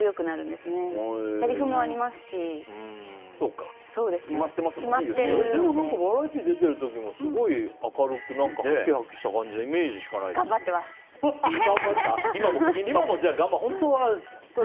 でもバラエティー出てる時も、明るくはきはきした感じのイメージしかないですけど。